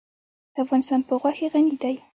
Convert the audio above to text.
افغانستان په غوښې غني دی.